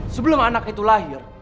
sebelum anak itu lahir